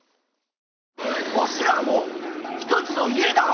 わしらはもう、一つの家だわ！